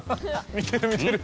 見てる見てる。